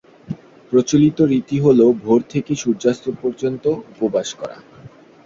প্রচলিত রীতি হল ভোর থেকে সূর্যাস্ত পর্যন্ত উপবাস করা।